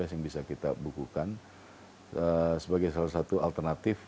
yang bisa kita bukukan sebagai salah satu alternatif